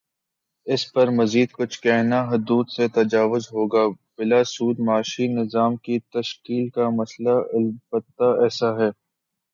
اس پر مزیدکچھ کہنا حدود سے تجاوز ہوگا بلاسود معاشی نظام کی تشکیل کا مسئلہ البتہ ایسا ہے۔